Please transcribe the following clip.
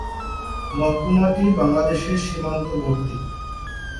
মহকুমাটি বাংলাদেশ সীমান্তবর্তী।